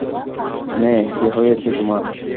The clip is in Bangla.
মেই, কী হয়েছে তোমার?